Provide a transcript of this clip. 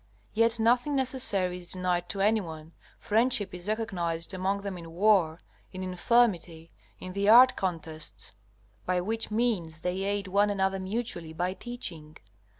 Yet nothing necessary is denied to anyone. Friendship is recognized among them in war, in infirmity, in the art contests, by which means they aid one another mutually by teaching.